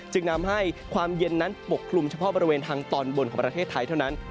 จึงนำให้ความเย็นนั้นปกคลุมเฉพาะบริเวณทางตอนบนของประเทศไทยเท่านั้น